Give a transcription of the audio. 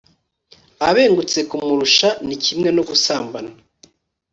abengutse kumurusha ni kimwe no gusambana